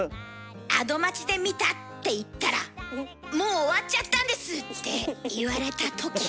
「『アド街』で見た」って言ったら「もう終わっちゃったんです」って言われたとき。